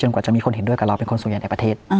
จนกว่าจะมีคนเห็นด้วยกันแล้วเป็นคนสวยงานใหญ่ประเทศ